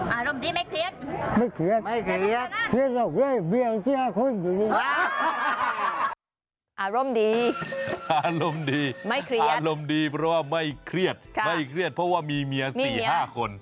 อารมณ์ดีไม่เครียดไม่เครียดอารมณ์ดีอารมณ์ดีเพราะว่าไม่เครียดไม่เครียดเพราะว่ามีเมีย๔๕คน